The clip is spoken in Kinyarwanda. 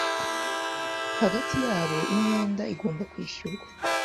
hagati yabo imyenda igomba kwishyurwa